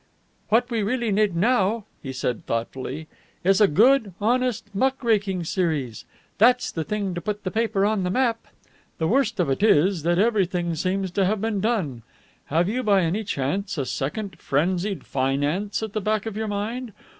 "What we really need now," he said thoughtfully, "is a good, honest, muck raking series. That's the thing to put a paper on the map. The worst of it is that everything seems to have been done. Have you by any chance a second 'Frenzied Finance' at the back of your mind?